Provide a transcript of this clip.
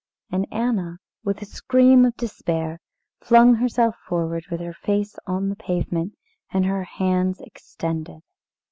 And Anna, with a scream of despair, flung herself forward with her face on the pavement, and her hands extended.